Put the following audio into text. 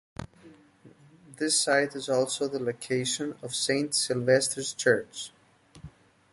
This site is also the location of Saint Sylvesters Church.